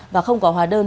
và không có hóa đơn